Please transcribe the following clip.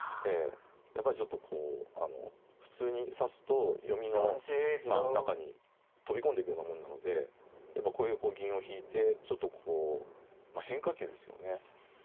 やっぱりちょっとこう普通に指すと読みの中に飛び込んでいくようなもんなのでやっぱこういうこう銀を引いてちょっとこう変化球ですよね。